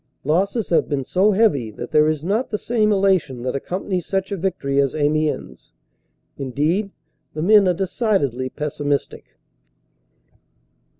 Losses have been so heavy that there is not the same elation that accompanies such a victory as Amiens. Indeed, the men are decidedly pessimistic.